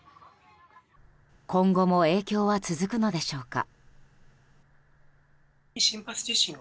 今後も影響は続くのでしょうか。